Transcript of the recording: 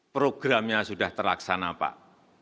programnya sudah terlaksana pak